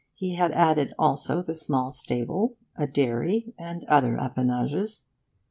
He had added also the small stable, a dairy, and other appanages.